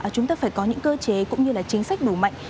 chúng ta phải có những cơ chế cũng như là chính sách đủ mạnh